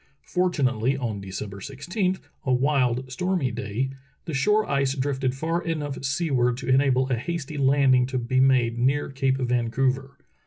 Fortu nately, on December i6, a wild, stormy day, the shore ice drifted far enough seaward to enable a hasty landing to be made near Cape Vancouver.